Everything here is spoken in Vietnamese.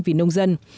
vì nông dân